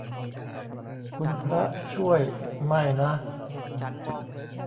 คุณพระช่วย ไม่นะ